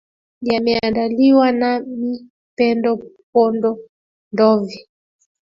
yameandaliwa nami pendo pondo ndovi